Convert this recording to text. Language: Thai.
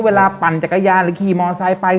ปั่นจักรยานหรือขี่มอไซค์ไป